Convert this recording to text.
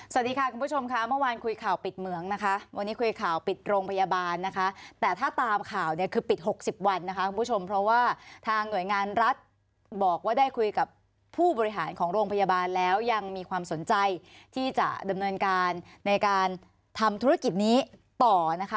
สวัสดีค่ะคุณผู้ชมค่ะเมื่อวานคุยข่าวปิดเหมืองนะคะวันนี้คุยข่าวปิดโรงพยาบาลนะคะแต่ถ้าตามข่าวเนี่ยคือปิดหกสิบวันนะคะคุณผู้ชมเพราะว่าทางหน่วยงานรัฐบอกว่าได้คุยกับผู้บริหารของโรงพยาบาลแล้วยังมีความสนใจที่จะดำเนินการในการทำธุรกิจนี้ต่อนะคะ